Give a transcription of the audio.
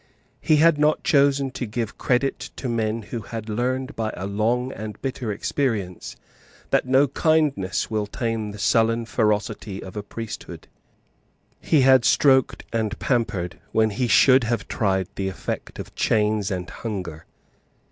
He had not chosen to give credit to men who had learned by a long and bitter experience that no kindness will tame the sullen ferocity of a priesthood. He had stroked and pampered when he should have tried the effect of chains and hunger.